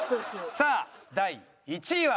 さあ第１位は。